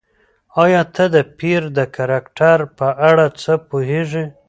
ایا ته د پییر د کرکټر په اړه څه پوهېږې؟